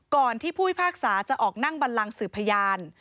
ที่ผู้พิพากษาจะออกนั่งบันลังสืบพยาน